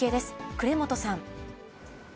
呉本さん。